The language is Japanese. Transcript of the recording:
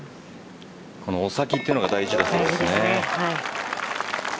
このお先というのが大事です。